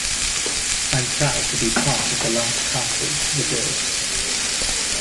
I'm proud to be part of the last cast of "The Bill".